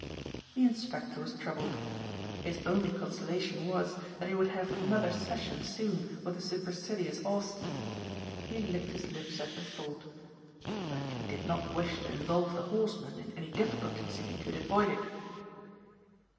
The inspector was troubled. His only consolation was that he would have another session soon with the supercilious Austin. He licked his lips at the thought. But he did not wish to involve the horseman in any difficulties if he could avoid it.